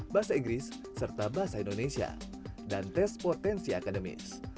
bahasa inggris serta bahasa indonesia dan tes potensi akademis